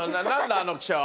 あの記者は。